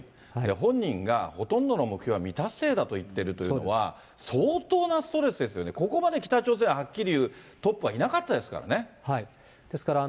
本人がほとんどの目標は未達成だと言っているのは、相当なストレスですよね、ここまで北朝鮮、はっきり言うトップはいなかったですからね。